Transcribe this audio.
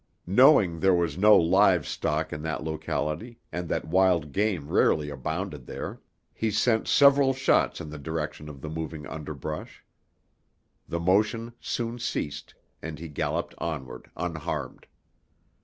Knowing there was no live stock in that locality and that wild game rarely abounded there, he sent several shots in the direction of the moving underbrush. The motion soon ceased, and he galloped onward, unharmed.